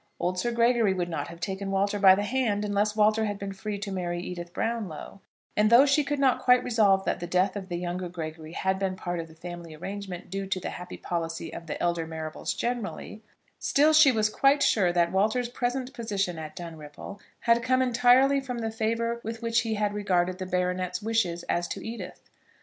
Old Sir Gregory would not have taken Walter by the hand unless Walter had been free to marry Edith Brownlow; and though she could not quite resolve that the death of the younger Gregory had been part of the family arrangement due to the happy policy of the elder Marrables generally, still she was quite sure that Walter's present position at Dunripple had come entirely from the favour with which he had regarded the baronet's wishes as to Edith.